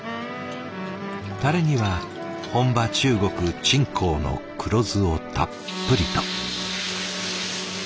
タレには本場中国・鎮江の黒酢をたっぷりと。